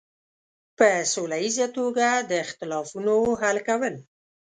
په سوله ییزه توګه د اختلافونو حل کول.